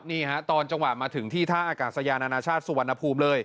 นี่ฮะตอนจังหวะมาถึงที่ท่าอากาศยานานาชาติสุวรรณภูมิเลย